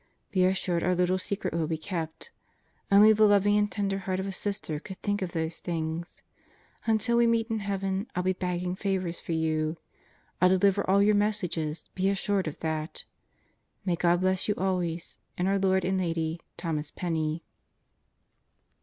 Be assured our little secret will be kept. Only the loving and tender heart of a Sister could think of those things. ... Until we meet in heaven 111 be begging favors for you. I'll deliver all your messages, be assured of that. ... May God bless you always! In our Lord and Lady, Thomas Penney.